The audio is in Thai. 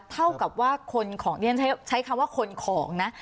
เท่ากับว่าคนของที่ฉันใช้คำว่าคนของนะ